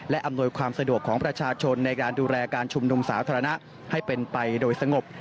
และอำนวยความสะดวกของประชาชนในการดูแลการชุมนุมสาธารณะให้เป็นไปโดยสงบ